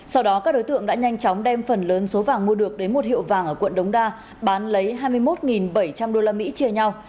sau đó các đối tượng đã nhanh chóng đem phần lớn số vàng mua được đến một hiệu vàng ở quận đống đa bán lấy hai mươi một bảy trăm linh usd chia nhau